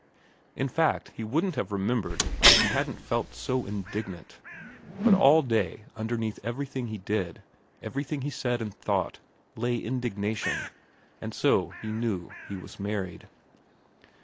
In fact he wouldn't have remembered if he hadn't felt so indignant ; but all day underneath everything he did, everything he said and thought, lay indignation, and so he knew he was married.